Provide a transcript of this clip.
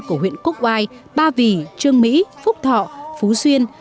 của huyện quốc oai ba vì trương mỹ phúc thọ phú xuyên